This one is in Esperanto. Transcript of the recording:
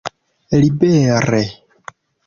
libere